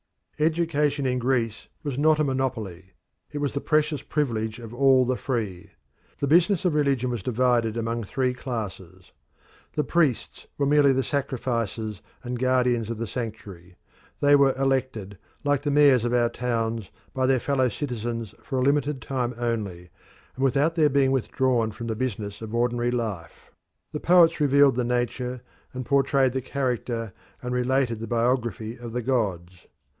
Education in Greece was not a monopoly; it was the precious privilege of all the free. The business of religion was divided among three classes. The priests were merely the sacrificers and guardians of the sanctuary; they were elected, like the mayors of our towns, by their fellow citizens for a limited time only, and without their being withdrawn from the business of ordinary life. The poets revealed the nature, and portrayed the character, and related the biography of the gods.